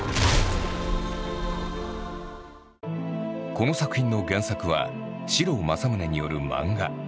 この作品の原作は士郎正宗による漫画。